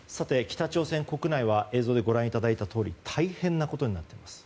北朝鮮国内は映像でご覧いただいたとおり大変なことになっています。